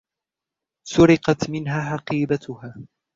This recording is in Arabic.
سُرقت منها حقيبتها.